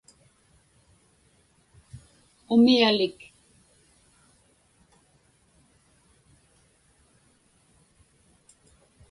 umialik